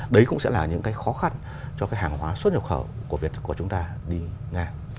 đấy cũng sẽ là những cái khó khăn cho cái hàng hóa xuất nhập khẩu của việt của chúng ta đi nga